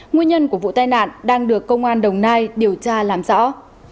nguyên nhân của vụ tai nạn đang được công an đồng nai điều tra làm rõ